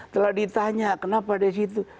telah ditanya kenapa dari situ